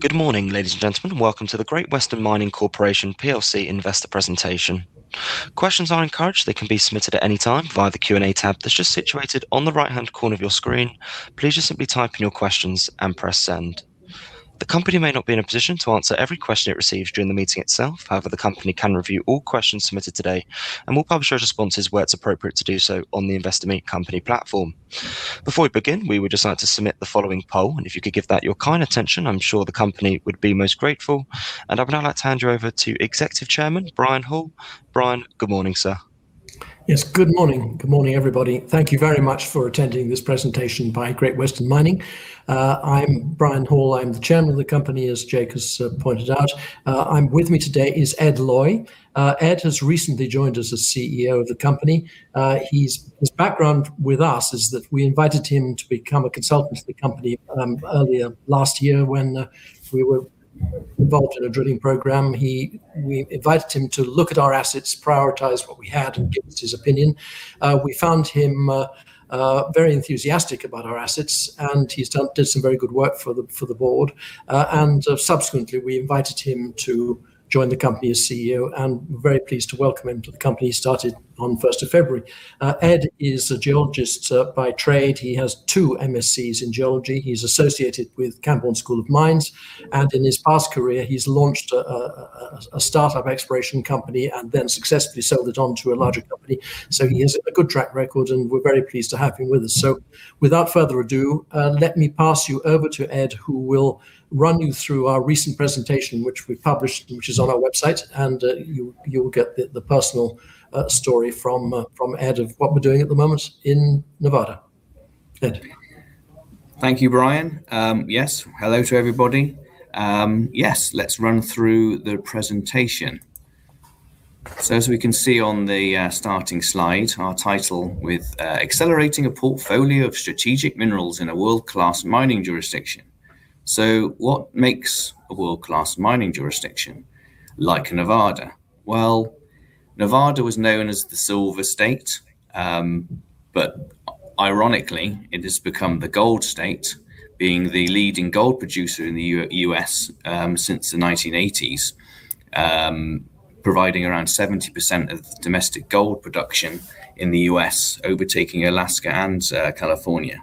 Good morning, ladies and gentlemen. Welcome to the Great Western Mining Corporation PLC investor presentation. Questions are encouraged. They can be submitted at any time via the Q&A tab that's just situated on the right-hand corner of your screen. Please just simply type in your questions and press send. The company may not be in a position to answer every question it receives during the meeting itself. However, the company can review all questions submitted today and will publish our responses where it's appropriate to do so on the Investor Meet Company platform. Before we begin, we would just like to submit the following poll, and if you could give that your kind attention, I'm sure the company would be most grateful. I would now like to hand you over to Executive Chairman Brian Hall. Brian, good morning, sir. Yes, good morning. Good morning, everybody. Thank you very much for attending this presentation by Great Western Mining. I'm Brian Hall. I'm the Chairman of the company, as Jake has pointed out. With me today is Ed Loye. Ed has recently joined as the CEO of the company. His background with us is that we invited him to become a consultant to the company earlier last year when we were involved in a drilling program. We invited him to look at our assets, prioritize what we had, and give us his opinion. We found him very enthusiastic about our assets, and he's did some very good work for the Board. Subsequently, we invited him to join the company as CEO, and we're very pleased to welcome him to the company. He started on the first of February. Ed is a geologist by trade. He has two MScs in geology. He's associated with Camborne School of Mines, and in his past career, he's launched a startup exploration company and then successfully sold it on to a larger company. He has a good track record, and we're very pleased to have him with us. Without further ado, let me pass you over to Ed, who will run you through our recent presentation, which we published, which is on our website. You will get the personal story from Ed of what we're doing at the moment in Nevada. Ed? Thank you, Brian. Yes, hello to everybody. Yes, let's run through the presentation. As we can see on the starting slide, our title with Accelerating a Portfolio of Strategic Minerals in a World-Class Mining Jurisdiction. What makes a world-class mining jurisdiction like Nevada? Well, Nevada was known as the Silver State, but ironically, it has become the Gold State, being the leading gold producer in the U.S. since the 1980s, providing around 70% of domestic gold production in the U.S., overtaking Alaska and California.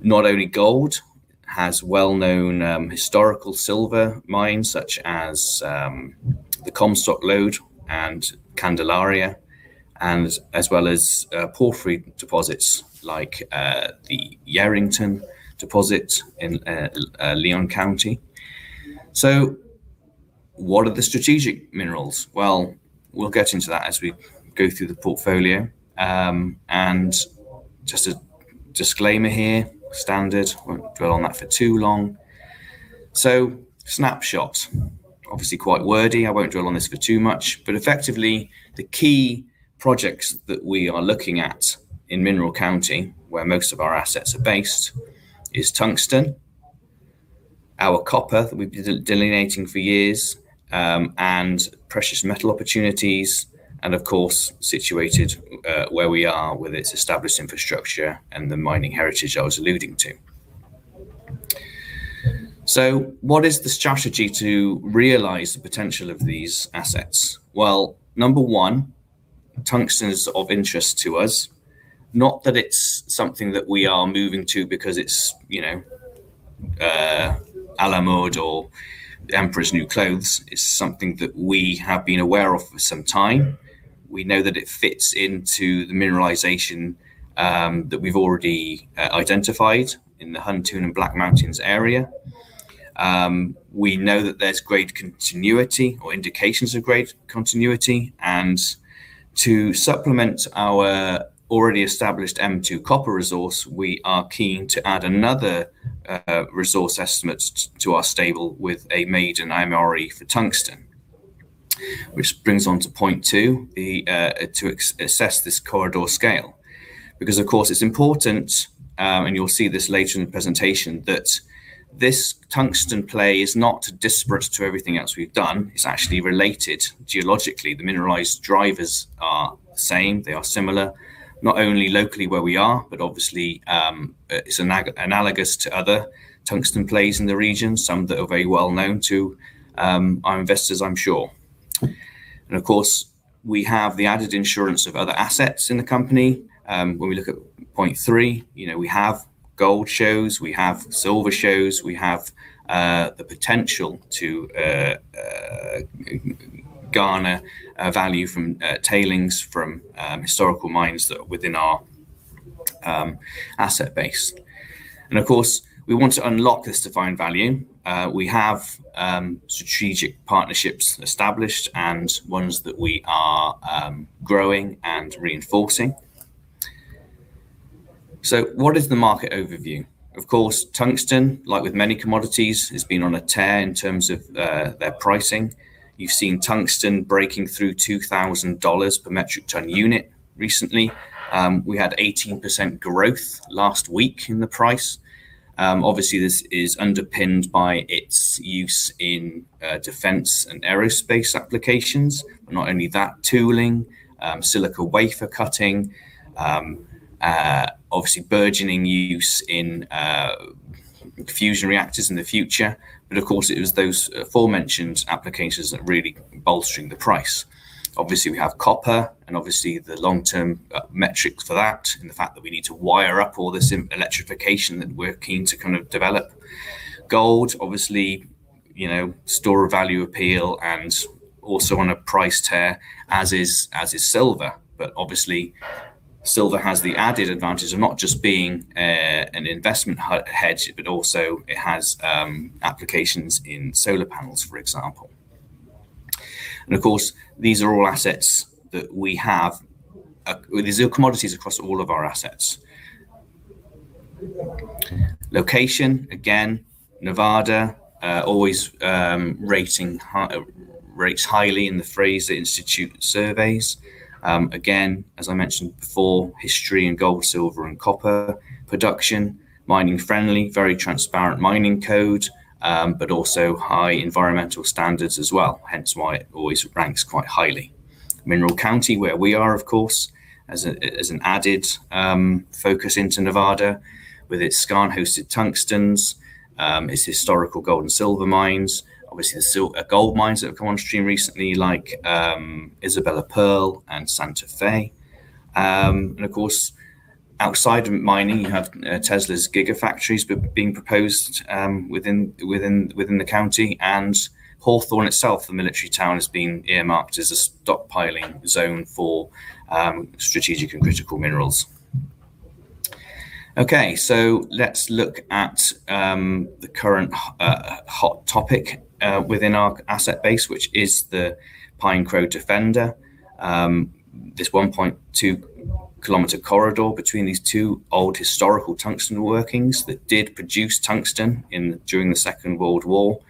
Not only gold. It has well-known historical silver mines such as the Comstock Lode and Candelaria, and as well as porphyry deposits like the Yerington deposit in Lyon County. What are the strategic minerals? Well, we'll get into that as we go through the portfolio. Just a disclaimer here, standard, won't dwell on that for too long. Snapshot, obviously quite wordy. I won't dwell on this for too much. Effectively, the key projects that we are looking at in Mineral County, where most of our assets are based, is tungsten, our copper that we've been delineating for years, and precious metal opportunities, and of course, situated where we are with its established infrastructure and the mining heritage I was alluding to. What is the strategy to realize the potential of these assets? Well, number one, tungsten is of interest to us. Not that it's something that we are moving to because it's a la mode or the emperor's new clothes. It's something that we have been aware of for some time. We know that it fits into the mineralization that we've already identified in the Huntoon and Black Mountains area. We know that there's great continuity or indications of great continuity, and to supplement our already established M2 copper resource, we are keen to add another resource estimate to our stable with a maiden MRE for tungsten, which brings on to point two, to assess this corridor scale. Because, of course, it's important, and you'll see this later in the presentation, that this tungsten play is not disparate to everything else we've done, it's actually related geologically. The mineralized drivers are the same. They are similar, not only locally where we are, but obviously it's analogous to other tungsten plays in the region, some that are very well known to our investors, I'm sure. Of course, we have the added insurance of other assets in the company. When we look at point three, we have gold shows, we have silver shows, we have the potential to garner value from tailings from historical mines that are within our asset base. Of course, we want to unlock this defined value. We have strategic partnerships established and ones that we are growing and reinforcing. What is the market overview? Of course, tungsten, like with many commodities, has been on a tear in terms of their pricing. You've seen tungsten breaking through $2,000 per metric ton unit recently. We had 18% growth last week in the price. Obviously, this is underpinned by its use in defense and aerospace applications. Not only that, tooling, silicon wafer cutting, obviously burgeoning use in fusion reactors in the future. Of course, it was those aforementioned applications that are really bolstering the price. Obviously, we have copper and obviously the long-term metric for that and the fact that we need to wire up all this electrification that we're keen to kind of develop. Gold, obviously, store of value appeal and also on a price tear, as is silver. Obviously silver has the added advantage of not just being an investment hedge, but also it has applications in solar panels, for example. Of course, these are commodities across all of our assets. Location, again, Nevada, always rates highly in the Fraser Institute surveys. Again, as I mentioned before, history in gold, silver and copper production. Mining-friendly, very transparent mining code, but also high environmental standards as well, hence why it always ranks quite highly. Mineral County, where we are, of course, as an added focus into Nevada with its skarn-hosted tungsten, its historical gold and silver mines. Obviously, the gold mines that have come on stream recently, like Isabella Pearl and Santa Fe. Of course, outside of mining, you have Tesla's Gigafactories being proposed within the county, and Hawthorne itself, the military town, has been earmarked as a stockpiling zone for strategic and critical minerals. Okay. Let's look at the current hot topic within our asset base, which is the Crown Point-Defender. This 1.2 km corridor between these two old historical tungsten workings that did produce tungsten during the Second World War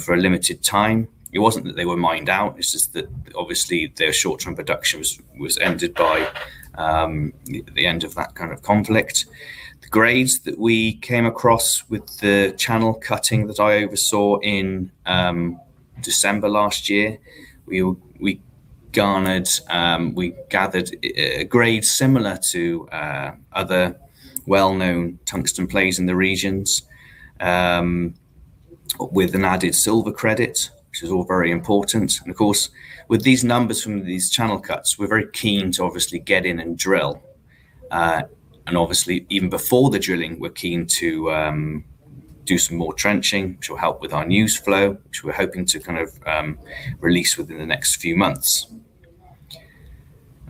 for a limited time. It wasn't that they were mined out. It's just that, obviously, their short-term production was ended by the end of that kind of conflict. The grades that we came across with the channel cutting that I oversaw in December last year, we gathered grades similar to other well-known tungsten plays in the regions, with an added silver credit, which is all very important. Of course, with these numbers from these channel cuts, we're very keen to obviously get in and drill. Obviously even before the drilling, we're keen to do some more trenching, which will help with our news flow, which we're hoping to kind of release within the next few months.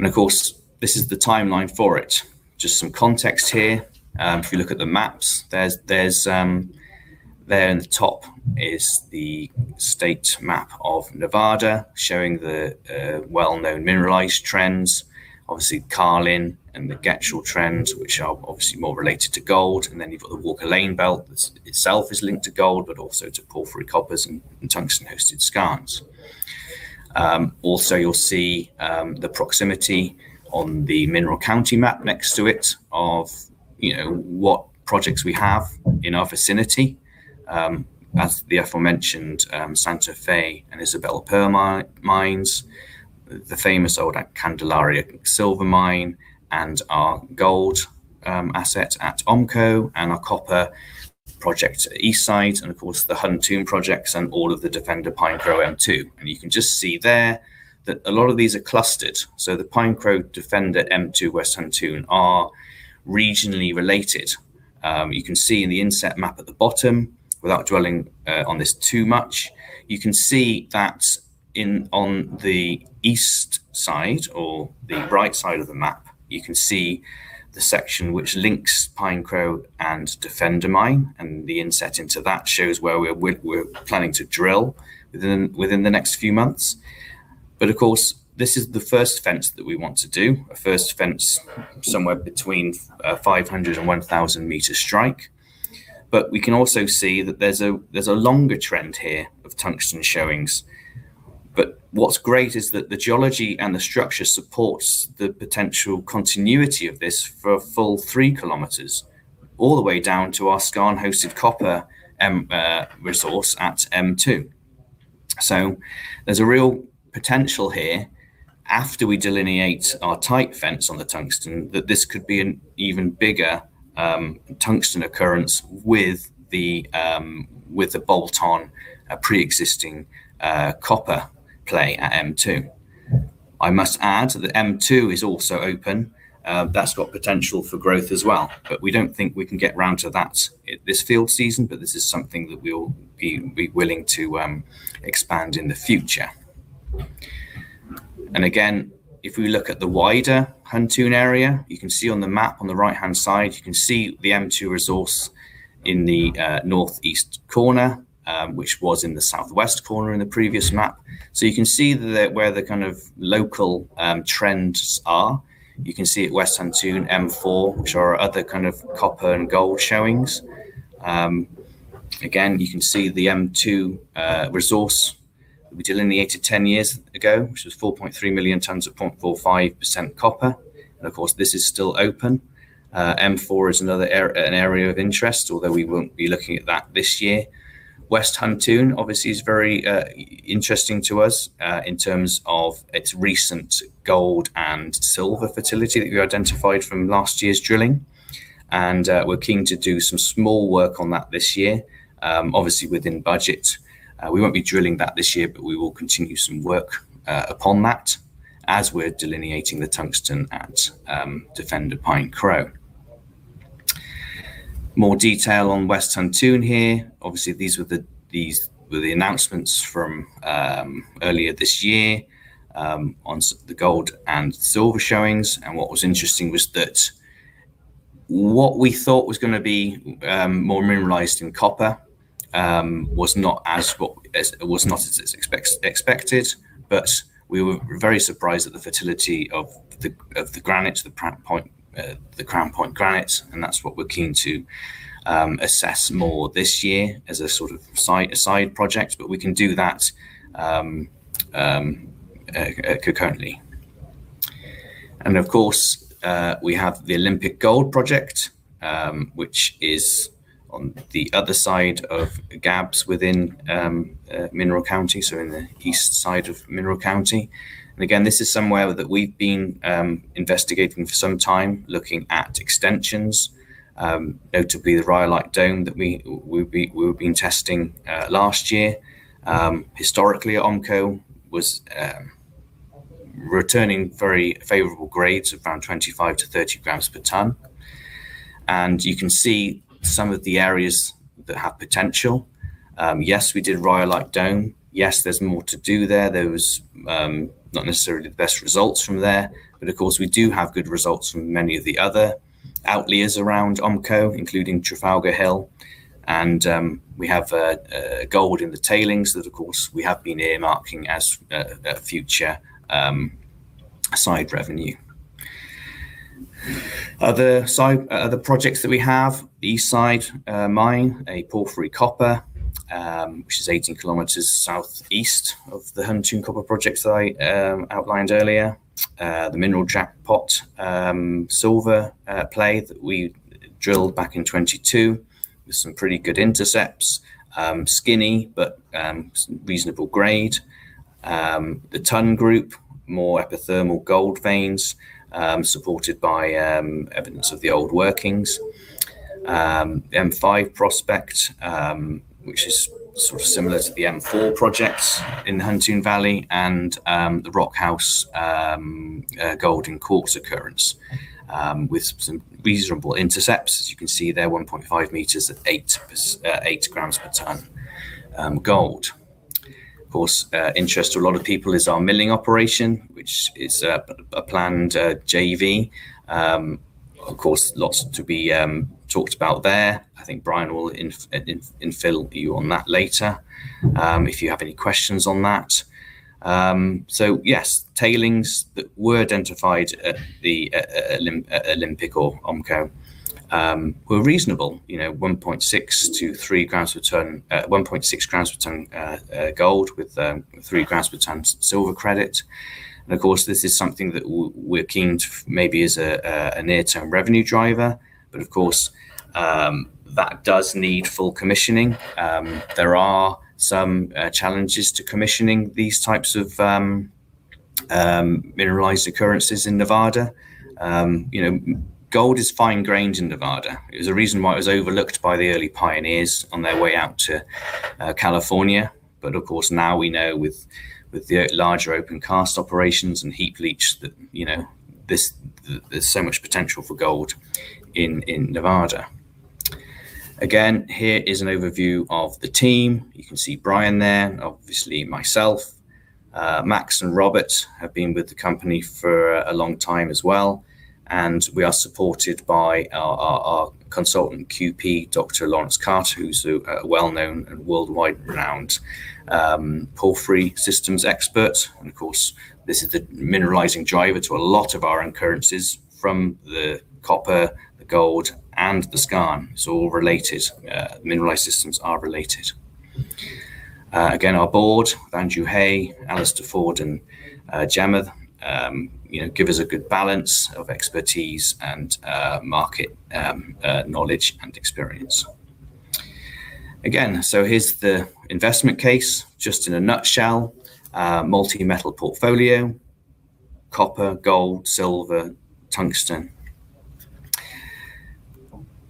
Of course, this is the timeline for it. Just some context here. If you look at the maps, there in the top is the state map of Nevada showing the well-known mineralized trends, obviously Carlin and the Getchell trends, which are obviously more related to gold. You've got the Walker Lane Belt. This itself is linked to gold, but also to porphyry coppers and tungsten-hosted skarns. Also, you'll see the proximity on the Mineral County map next to it of what projects we have in our vicinity. That's the aforementioned Santa Fe and Isabella Pearl mines, the famous old Candelaria silver mine, and our gold asset at Omco, and our copper project at East Side, and of course, the Huntoon projects and all of the Defender, Pine Crow, M2. You can just see there that a lot of these are clustered. The Pine Crow, Defender, M2, West Huntoon are regionally related. You can see in the inset map at the bottom, without dwelling on this too much, you can see that on the east side or the right side of the map, you can see the section which links Pine Crow and Defender Mine. The inset into that shows where we're planning to drill within the next few months. Of course, this is the first fence that we want to do, a first fence somewhere between 500 and 1,000 meter strike. We can also see that there's a longer trend here of tungsten showings. What's great is that the geology and the structure supports the potential continuity of this for a full three kilometers, all the way down to our skarn-hosted copper resource at M2. There's a real potential here after we delineate our tight fence on the tungsten, that this could be an even bigger tungsten occurrence with the bolt-on preexisting copper play at M2. I must add that M2 is also open. That's got potential for growth as well, but we don't think we can get round to that this field season. This is something that we'll be willing to expand in the future. Again, if we look at the wider Huntoon area, you can see on the map on the right-hand side, you can see the M2 resource in the northeast corner, which was in the southwest corner in the previous map. You can see where the kind of local trends are. You can see at West Huntoon M4, which are our other kind of copper and gold showings. Again you can see the M2 results, eight to 10 years ago it's 4.3 million tonnes of 0.45% copper. And of course, this is still open. M4 is another area of interest we were looking back this year. West Huntoon obviously is very interesting to us in terms of its recent gold and silver fertility that we identified from last year's drilling, and we're keen to do some small work on that this year. Obviously, within budget. We won't be drilling that this year, but we will continue some work upon that as we're delineating the tungsten at Defender, Pine Crow. More detail on West Huntoon here. Obviously, these were the announcements from earlier this year on the gold and silver showings. And what was interesting was that what we thought was going to be more mineralized in copper was not as expected, but we were very surprised at the fertility of the granite, the Crown Point granites, and that's what we're keen to assess more this year as a sort of side project. But we can do that concurrently. And of course, we have the Olympic Gold Project, which is on the other side of Gabbs within Mineral County, so in the east side of Mineral County. And again, this is somewhere that we've been investigating for some time, looking at extensions. Notably the rhyolite dome that we've been testing last year. Historically, Omco was returning very favorable grades of around 25 to 30 grams per tonne. And you can see some of the areas that have potential. Yes, we did rhyolite dome. Yes, there's more to do there. Those not necessarily the best results from there, but of course, we do have good results from many of the other outliers around Omco, including Trafalgar Hill. We have gold in the tailings that, of course, we have been earmarking as a future side revenue. Other projects that we have, East Side Mine, a porphyry copper, which is 18 km southeast of the Huntoon copper project that I outlined earlier. The Mineral Jackpot silver play that we drilled back in 2022 with some pretty good intercepts, skinny, but reasonable grade. The TUN Group, more epithermal gold veins, supported by evidence of the old workings. M5 prospect, which is sort of similar to the M4 projects in Huntoon Valley, and the Rock House gold and quartz occurrence, with some reasonable intercepts, as you can see there, 1.5 m at 8 grams per tonne gold. Of course, interest to a lot of people is our milling operation, which is a planned JV. Of course, lots to be talked about there. I think Brian will infill you on that later if you have any questions on that. So yes, tailings that were identified at the Olympic or Omco were reasonable. 1.6 g per tonne gold with 3 g per tonne silver credit. And of course, this is something that we're keen to maybe as a near-term revenue driver, but of course, that does need full commissioning. There are some challenges to commissioning these types of mineralized occurrences in Nevada. Gold is fine-grained in Nevada. There's a reason why it was overlooked by the early pioneers on their way out to California. But of course, now we know with the larger open cast operations and heap leach that there's so much potential for gold in Nevada. Again, here is an overview of the team. You can see Brian there, obviously myself. Max and Robert have been with the company for a long time as well, and we are supported by our Consultant QP, Dr. Lawrence Carter, who's a well-known and worldwide renowned porphyry systems expert. Of course, this is the mineralizing driver to a lot of our occurrences from the copper, the gold, and the skarn. It's all related. Mineralized systems are related. Again, our board, Andrew Hay, Alastair Ford, and Gemma give us a good balance of expertise and market knowledge and experience. Again, here's the investment case, just in a nutshell. Multi-metal portfolio, copper, gold, silver, tungsten.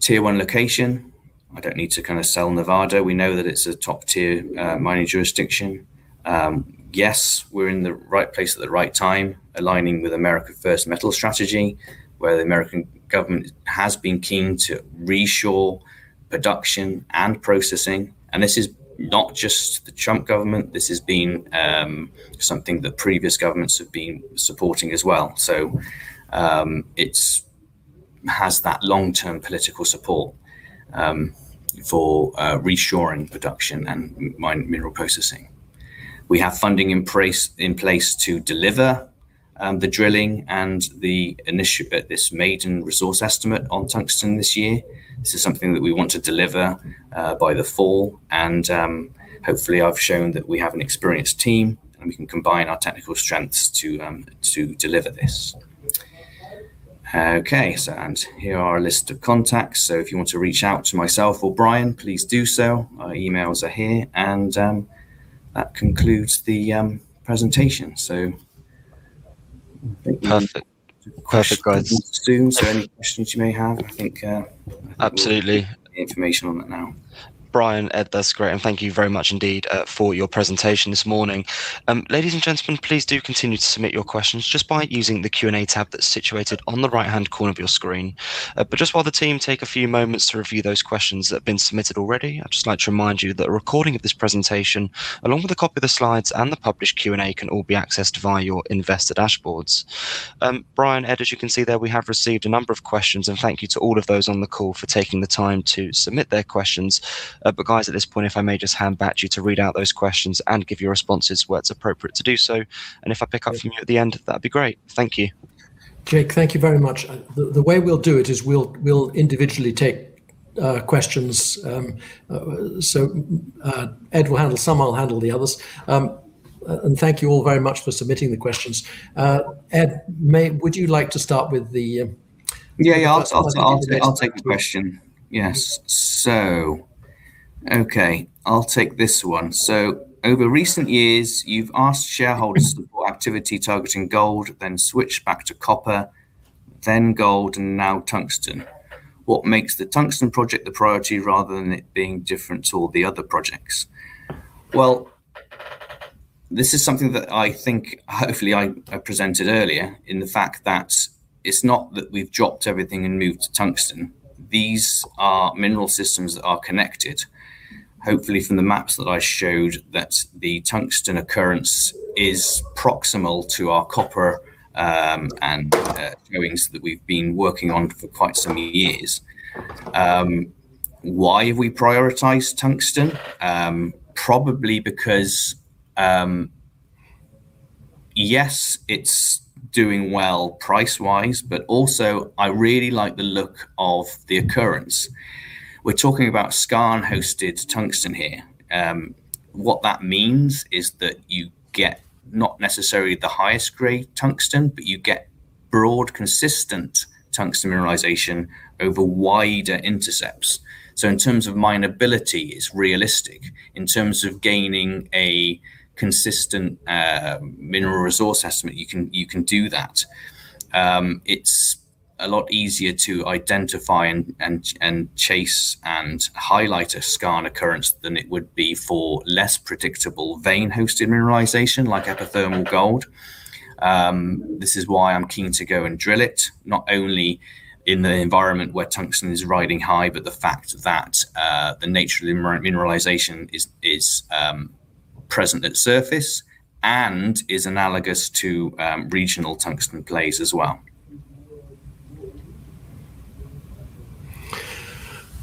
Tier 1 location. I don't need to kind of sell Nevada. We know that it's a top-tier mining jurisdiction. Yes, we're in the right place at the right time, aligning with America First Metal strategy, where the American government has been keen to reshore production and processing. This is not just the Trump government. This has been something that previous governments have been supporting as well. It has that long-term political support for reshoring production and mine mineral processing. We have funding in place to deliver the drilling and this maiden resource estimate on tungsten this year. This is something that we want to deliver by the fall. Hopefully, I've shown that we have an experienced team, and we can combine our technical strengths to deliver this. Okay. Here are a list of contacts, so if you want to reach out to myself or Brian, please do so. Our emails are here, and that concludes the presentation. Thank you. Perfect, guys. To address any questions you may have. Absolutely Information on that now. Brian, Ed, that's great. Thank you very much indeed for your presentation this morning. Ladies and gentlemen, please do continue to submit your questions just by using the Q&A tab that's situated on the right-hand corner of your screen. Just while the team take a few moments to review those questions that have been submitted already, I'd just like to remind you that a recording of this presentation, along with a copy of the slides and the published Q&A, can all be accessed via your investor dashboards. Brian, Ed, as you can see there, we have received a number of questions, and thank you to all of those on the call for taking the time to submit their questions. Guys, at this point, if I may just hand back to you to read out those questions and give your responses where it's appropriate to do so. If I pick up from you at the end, that'd be great. Thank you. Jake, thank you very much. The way we'll do it is we'll individually take questions. Ed will handle some, I'll handle the others. Thank you all very much for submitting the questions. Yeah. I'll take a question. Yes. Okay. I'll take this one. Over recent years, you've asked shareholders for activity targeting gold, then switched back to copper, then gold, and now tungsten. What makes the tungsten project the priority rather than it being different to all the other projects? Well, this is something that I think hopefully I presented earlier in the fact that it's not that we've dropped everything and moved to tungsten. These are mineral systems that are connected. Hopefully from the maps that I showed that the tungsten occurrence is proximal to our copper and tungsten that we've been working on for quite some years. Why have we prioritized tungsten? Probably because, yes, it's doing well price-wise, but also I really like the look of the occurrence. We're talking about skarn-hosted tungsten here. What that means is that you get not necessarily the highest grade tungsten, but you get broad, consistent tungsten mineralization over wider intercepts. In terms of mineability, it's realistic. In terms of gaining a consistent mineral resource estimate, you can do that. It's a lot easier to identify and chase and highlight a skarn occurrence than it would be for less predictable vein-hosted mineralization like epithermal gold. This is why I'm keen to go and drill it, not only in the environment where tungsten is riding high, but the fact that the nature of the mineralization is present at surface and is analogous to regional tungsten plays as well.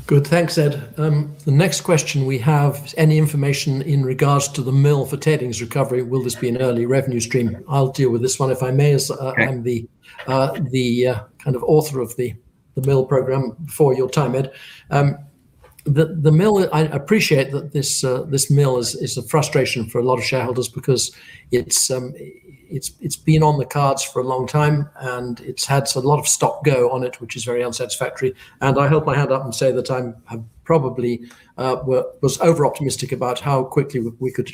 Good. Thanks, Ed. The next question we have, any information in regards to the mill for tailings recovery? Will this be an early revenue stream? I'll deal with this one, if I may, as I am the kind of author of the mill program before your time, Ed. I appreciate that this mill is a frustration for a lot of shareholders because it's been on the cards for a long time, and it's had a lot of stop-go on it, which is very unsatisfactory. I hold my hand up and say that I definitely was over-optimistic about how quickly we could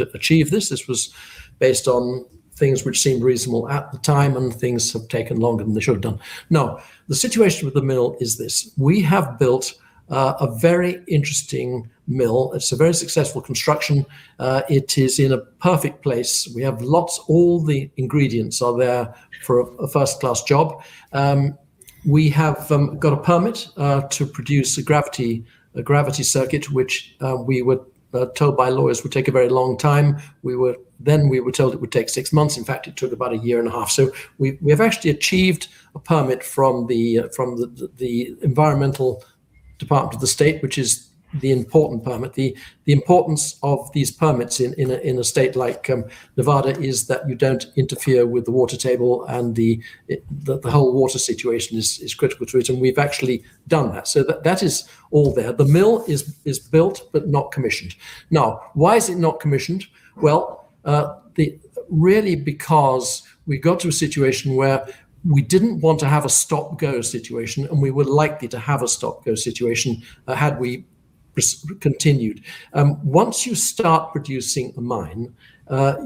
achieve this. This was based on things which seemed reasonable at the time, and things have taken longer than they should have done. Now, the situation with the mill is this. We have built a very interesting mill. It's a very successful construction. It is in a perfect place. All the ingredients are there for a first-class job. We have got a permit to produce a gravity circuit, which we were told by lawyers would take a very long time. We were told it would take six months. In fact, it took about a year and a half. We have actually achieved a permit from the Nevada Division of Environmental Protection, which is the important permit. The importance of these permits in a state like Nevada is that you don't interfere with the water table, and the whole water situation is critical to it, and we've actually done that. That is all there. The mill is built but not commissioned. Now, why is it not commissioned? Well, really because we got to a situation where we didn't want to have a stop-go situation, and we were likely to have a stop-go situation had we continued. Once you start producing a mine,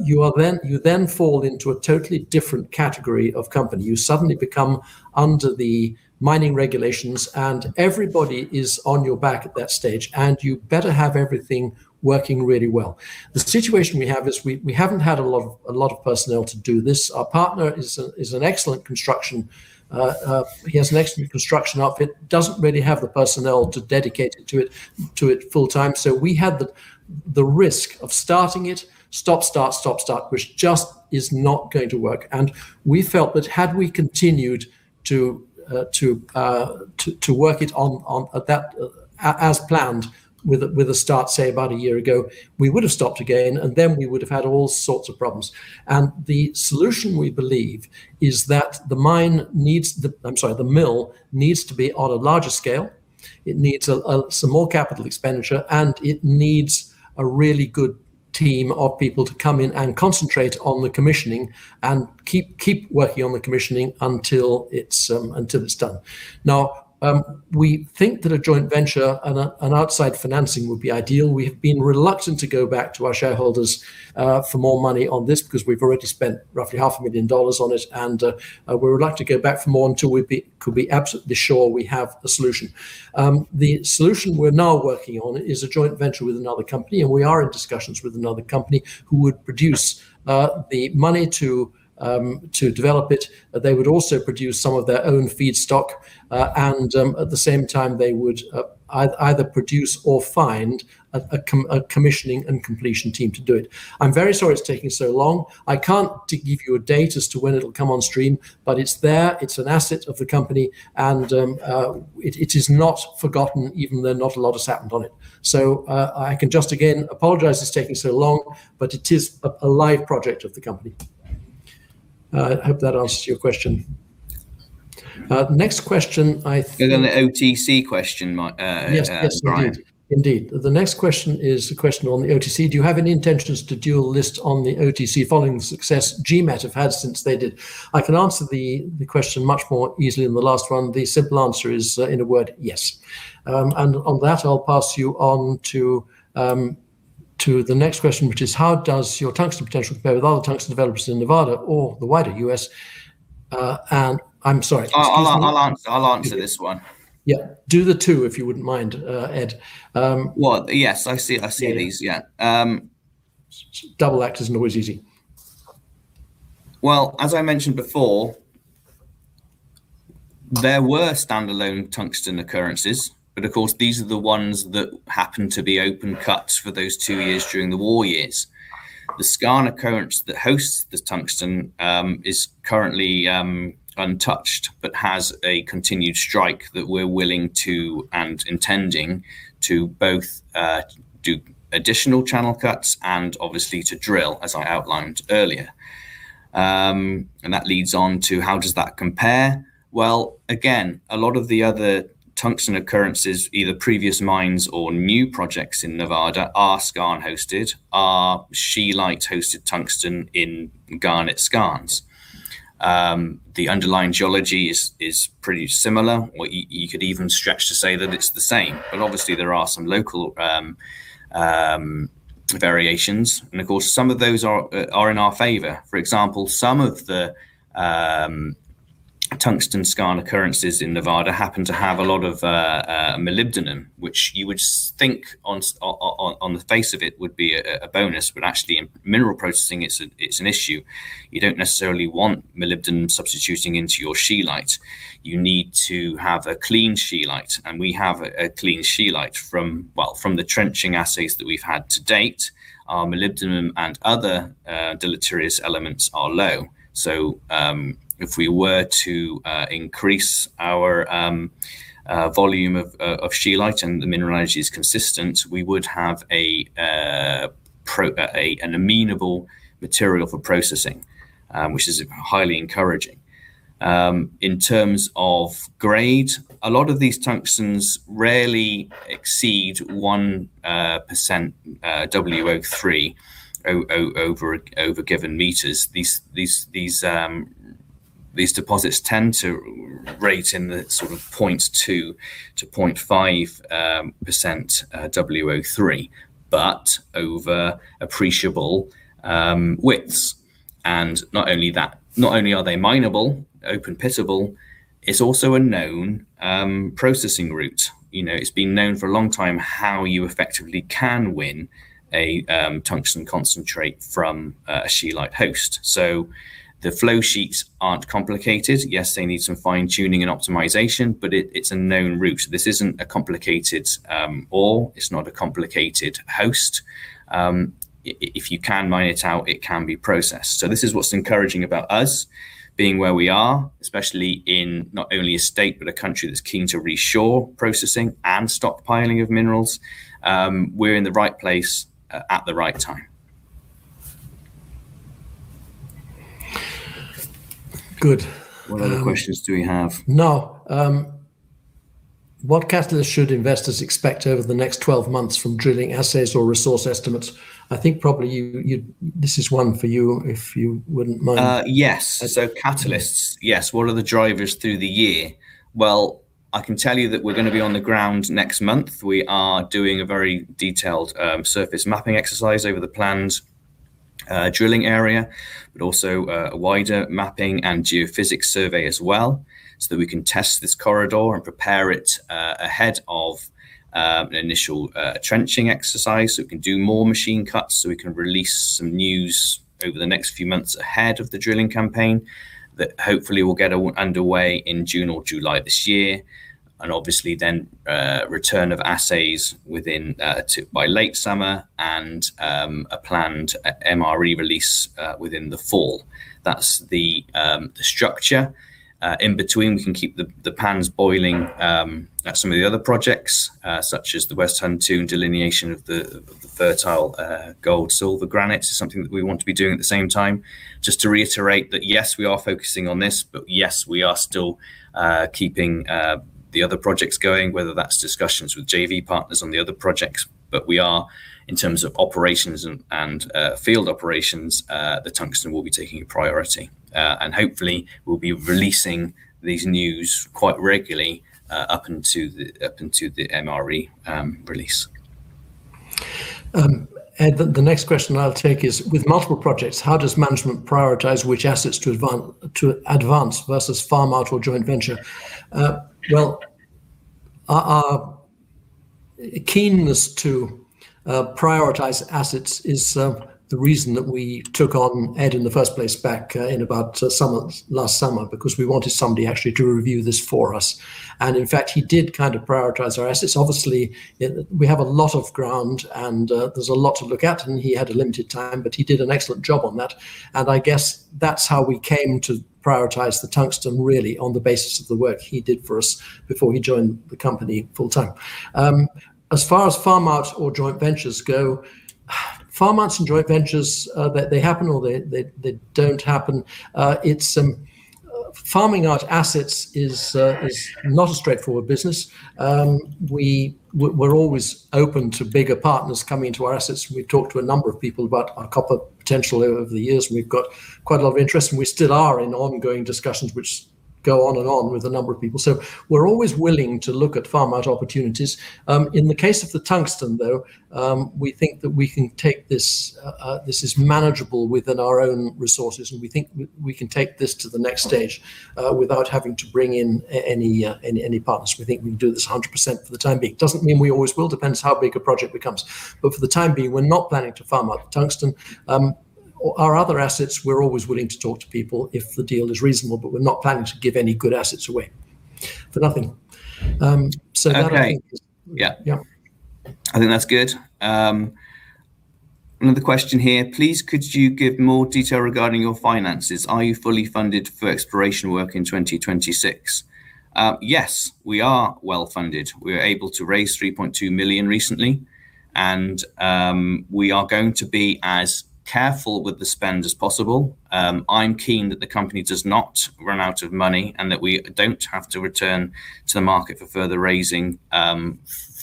you then fall into a totally different category of company. You suddenly become under the mining regulations, and everybody is on your back at that stage, and you better have everything working really well. The situation we have is we haven't had a lot of personnel to do this. Our partner has an excellent construction outfit. He doesn't really have the personnel to dedicate to it full-time. We had the risk of starting it, stop, start, stop, start, which just is not going to work. We felt that had we continued to work it as planned with a start, say, about a year ago, we would have stopped again, and then we would have had all sorts of problems. The solution, we believe, is that the mill needs to be on a larger scale. It needs some more capital expenditure, and it needs a really good team of people to come in and concentrate on the commissioning and keep working on the commissioning until it's done. Now, we think that a joint venture and an outside financing would be ideal. We have been reluctant to go back to our shareholders for more money on this because we've already spent roughly half a million dollars on it, and we would like to go back for more until we could be absolutely sure we have a solution. The solution we're now working on is a joint venture with another company, and we are in discussions with another company who would produce the money to develop it. They would also produce some of their own feedstock. At the same time they would either produce or find a commissioning and completion team to do it. I'm very sorry it's taking so long. I can't give you a date as to when it'll come on stream, but it's there. It's an asset of the company, and it is not forgotten, even though not a lot has happened on it. I can just again apologize it's taking so long, but it is a live project of the company. I hope that answers your question. Next question, I think. The OTC question, Brian. Yes, indeed. The next question is a question on the OTC. Do you have any intentions to dual list on the OTC following the success GMET have had since they did? I can answer the question much more easily than the last one. The simple answer is, in a word, yes. On that, I'll pass you on to the next question, which is how does your tungsten potential compare with other tungsten developers in Nevada or the wider U.S.? I'm sorry. I'll answer this one. Yeah. Do the two, if you wouldn't mind, Ed. Well, yes. I see these, yeah. Double act isn't always easy. Well, as I mentioned before, there were standalone tungsten occurrences, but of course, these are the ones that happened to be open cuts for those two years during the war years. The skarn occurrence that hosts the tungsten is currently untouched, but has a continued strike that we're willing to and intending to both do additional channel cuts and obviously to drill, as I outlined earlier. That leads on to how does that compare? Well, again, a lot of the other tungsten occurrences, either previous mines or new projects in Nevada, are skarn-hosted, are scheelite-hosted tungsten in garnet skarns. The underlying geology is pretty similar, or you could even stretch to say that it's the same. Obviously there are some local variations, and of course, some of those are in our favor. For example, some of the tungsten skarn occurrences in Nevada happen to have a lot of molybdenum, which you would think on the face of it would be a bonus, but actually in mineral processing, it's an issue. You don't necessarily want molybdenum substituting into your scheelite. You need to have a clean scheelite, and we have a clean scheelite from the trenching assays that we've had to date. Our molybdenum and other deleterious elements are low. If we were to increase our volume of scheelite and the mineralogy is consistent, we would have an amenable material for processing, which is highly encouraging. In terms of grade, a lot of these tungstens rarely exceed 1% WO3 over a given meters. These deposits tend to rate in the sort of 0.2%-0.5% WO3, but over appreciable widths. Not only are they mineable, open-pittable, it's also a known processing route. It's been known for a long time how you effectively can win a tungsten concentrate from a scheelite host. The flowsheets aren't complicated. Yes, they need some fine-tuning and optimization, but it's a known route. This isn't a complicated ore. It's not a complicated host. If you can mine it out, it can be processed. This is what's encouraging about us being where we are, especially in not only a state, but a country that's keen to reshore processing and stockpiling of minerals. We're in the right place at the right time. Good. What other questions do we have? Now, what catalysts should investors expect over the next 12 months from drilling assays or resource estimates? I think probably this is one for you, if you wouldn't mind. Yes. Catalysts. Yes. What are the drivers through the year? Well, I can tell you that we're going to be on the ground next month. We are doing a very detailed surface mapping exercise over the planned drilling area, but also a wider mapping and geophysical survey as well, so that we can test this corridor and prepare it ahead of an initial trenching exercise, so we can do more machine cuts, so we can release some news over the next few months ahead of the drilling campaign that hopefully will get underway in June or July this year. Obviously then return of assays by late summer and a planned MRE release within the fall. That's the structure. In between, we can keep the pans boiling at some of the other projects such as the West Huntoon, and delineation of the fertile gold-silver granite is something that we want to be doing at the same time. Just to reiterate that, yes, we are focusing on this, but yes, we are still keeping the other projects going, whether that's discussions with JV partners on the other projects, but, in terms of operations and field operations, the tungsten will be taking a priority. Hopefully we'll be releasing these news quite regularly up into the MRE release. The next question I'll take is, "With multiple projects, how does management prioritize which assets to advance versus farm out or joint venture?" Well, our keenness to prioritize assets is the reason that we took on Ed in the first place back in about last summer, because we wanted somebody actually to review this for us. In fact, he did prioritize our assets. Obviously, we have a lot of ground and there's a lot to look at, and he had a limited time, but he did an excellent job on that. I guess that's how we came to prioritize the tungsten, really, on the basis of the work he did for us before he joined the company full-time. As far as farm outs or joint ventures go, farm outs and joint ventures they happen or they don't happen. Farming out assets is not a straightforward business. We're always open to bigger partners coming to our assets, and we've talked to a number of people about our copper potential over the years, and we've got quite a lot of interest and we still are in ongoing discussions which go on and on with a number of people. We're always willing to look at farm out opportunities. In the case of the tungsten, though, we think that we can take this. This is manageable within our own resources, and we think we can take this to the next stage without having to bring in any partners. We think we can do this 100% for the time being. It doesn't mean we always will, depends how big a project becomes. For the time being, we're not planning to farm out the tungsten. Our other assets, we're always willing to talk to people if the deal is reasonable, but we're not planning to give any good assets away for nothing. Okay. Yeah. Yeah. I think that's good. Another question here. "Please could you give more detail regarding your finances? Are you fully funded for exploration work in 2026?" Yes, we are well-funded. We were able to raise $3.2 million recently. We are going to be as careful with the spend as possible. I'm keen that the company does not run out of money and that we don't have to return to the market for further raising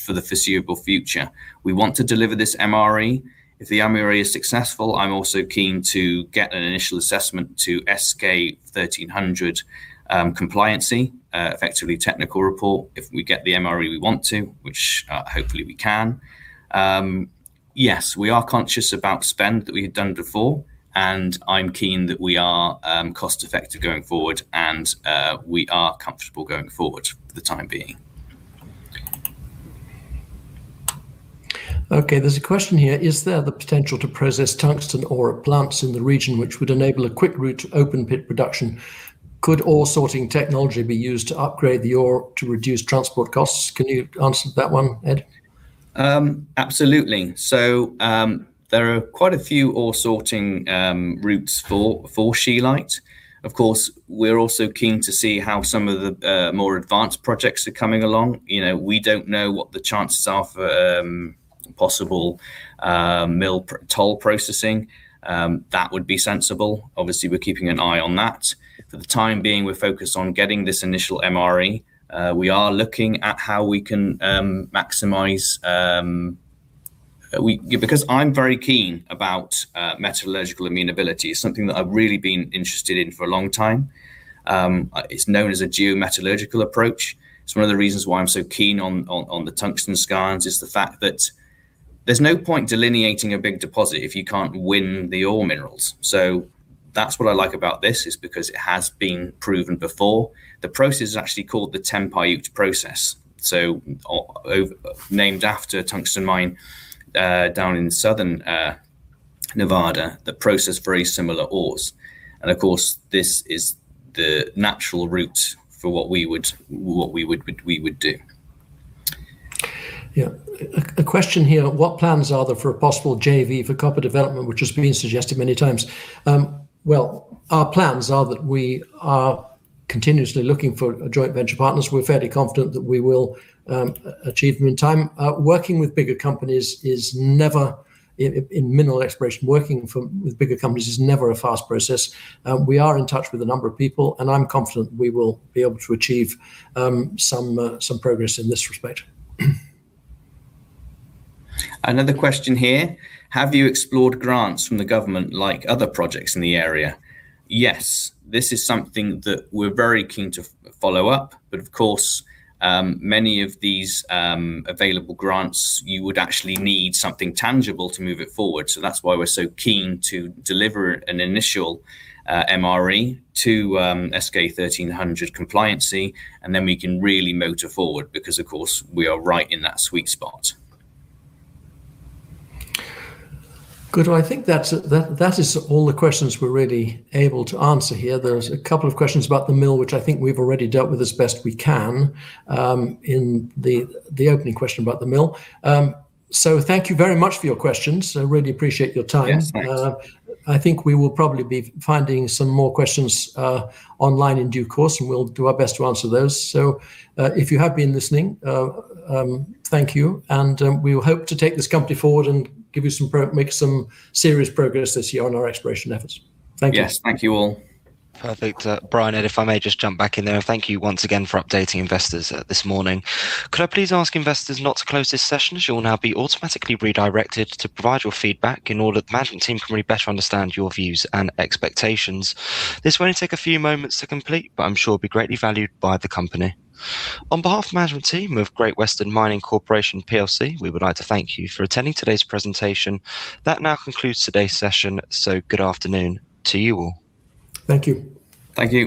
for the foreseeable future. We want to deliver this MRE. If the MRE is successful, I'm also keen to get an initial assessment to S-K 1300 compliance, effectively technical report, if we get the MRE we want to, which hopefully we can. Yes, we are conscious about spend that we had done before, and I'm keen that we are cost-effective going forward and we are comfortable going forward for the time being. Okay. There's a question here. Is there the potential to process tungsten ore at plants in the region which would enable a quick route to open-pit production? Could ore sorting technology be used to upgrade the ore to reduce transport costs? Can you answer that one, Ed? Absolutely. There are quite a few ore sorting routes for scheelite. Of course, we're also keen to see how some of the more advanced projects are coming along. We don't know what the chances are for possible mill toll processing. That would be sensible. Obviously, we're keeping an eye on that. For the time being, we're focused on getting this initial MRE. We are looking at how we can maximize because I'm very keen about metallurgical amenability. It's something that I've really been interested in for a long time. It's known as a geometallurgical approach. It's one of the reasons why I'm so keen on the tungsten skarns is the fact that there's no point delineating a big deposit if you can't win the ore minerals. That's what I like about this, is because it has been proven before. The process is actually called the Tempiute Process. Named after a tungsten mine down in Southern Nevada that processed very similar ores. Of course, this is the natural route for what we would do. Yeah. A question here, what plans are there for a possible JV for copper development, which has been suggested many times? Well, our plans are that we are continuously looking for joint venture partners. We're fairly confident that we will achieve them in time. In mineral exploration, working with bigger companies is never a fast process. We are in touch with a number of people, and I'm confident we will be able to achieve some progress in this respect. Another question here. Have you explored grants from the government like other projects in the area? Yes. This is something that we're very keen to follow up. Of course, many of these available grants, you would actually need something tangible to move it forward. That's why we're so keen to deliver an initial MRE to S-K 1300 compliance, and then we can really motor forward, because of course, we are right in that sweet spot. Good. Well, I think that is all the questions we're really able to answer here. There's a couple of questions about the mill, which I think we've already dealt with as best we can in the opening question about the mill. Thank you very much for your questions. I really appreciate your time. Yes, thanks. I think we will probably be finding some more questions online in due course, and we'll do our best to answer those. If you have been listening, thank you, and we will hope to take this company forward and make some serious progress this year on our exploration efforts. Thank you. Yes. Thank you all. Perfect. Brian, Ed, if I may just jump back in there. Thank you once again for updating investors this morning. Could I please ask investors not to close this session, as you will now be automatically redirected to provide your feedback in order that the management team can really better understand your views and expectations. This will only take a few moments to complete, but I'm sure it'll be greatly valued by the company. On behalf of the management team of Great Western Mining Corporation plc, we would like to thank you for attending today's presentation. That now concludes today's session. Good afternoon to you all. Thank you. Thank you.